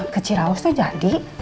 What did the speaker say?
ke ciraus tuh jadi